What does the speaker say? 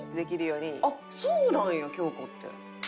そうなんや京子って。